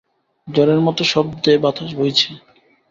ঝড়ের মতো শব্দে বাতাস বইছে!